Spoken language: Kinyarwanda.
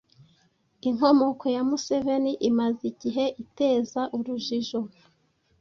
Inkomoko ya Museveni imaze igihe iteza urujijo